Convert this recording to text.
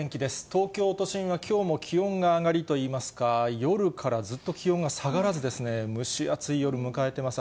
東京都心はきょうも気温が上がりといいますか、夜からずっと気温が下がらずですね、蒸し暑い夜、迎えています。